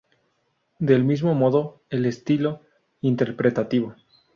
Del mismo modo, el estilo interpretativo.